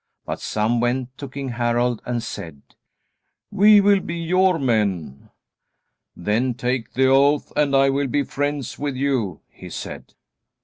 But some went to King Harald and said: "We will be your men." "Then take the oath, and I will be friends with you," he said.